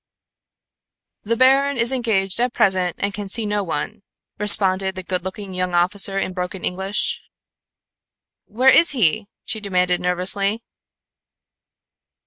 "The baron is engaged at present and can see no one," responded the good looking young officer in broken English. "Where is he?" she demanded nervously.